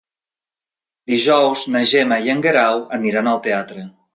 Dijous na Gemma i en Guerau aniran al teatre.